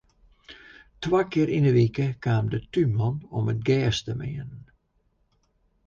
Twa kear yn 'e wike kaam de túnman om it gjers te meanen.